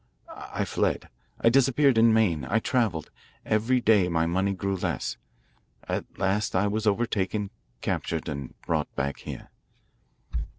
I fled. I disappeared in Maine. I travelled. Every day my money grew less. At last I was overtaken, captured, and brought back here."